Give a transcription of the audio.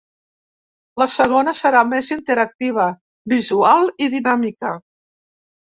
La segona serà més interactiva, visual i dinàmica.